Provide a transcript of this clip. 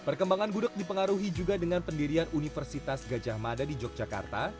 perkembangan gudeg dipengaruhi juga dengan pendirian universitas gajah mada di yogyakarta